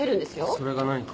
それが何か？